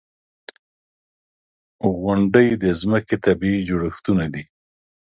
• غونډۍ د ځمکې طبعي جوړښتونه دي.